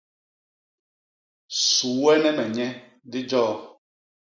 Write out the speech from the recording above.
Suuene me nye, di joo.